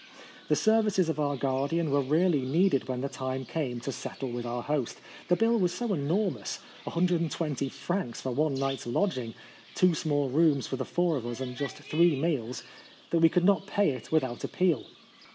The services of our guardian were really needed when the time came to settle with our host. The bill was so enormous — 120 francs for one night's lodging — two small rooms for the four of us, and just three meals — that we could not pay it without appeal.